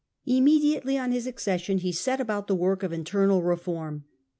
Immediately on his accession he set about the work of internal re form.